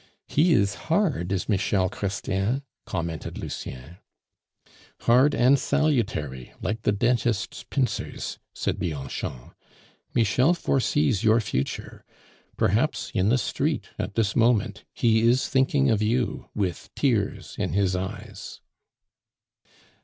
"He is hard, is Michel Chrestien," commented Lucien. "Hard and salutary, like the dentist's pincers," said Bianchon. "Michel foresees your future; perhaps in the street, at this moment, he is thinking of you with tears in his eyes."